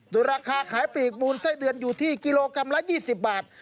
โดยราคาขายปีกมูลไส้เดือนอยู่ที่กิโลกรัมละ๒๐บาท